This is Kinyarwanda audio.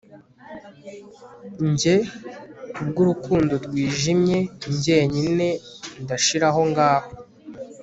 Njye kubwurukundo rwijimye njyenyine ndashiraho ngaho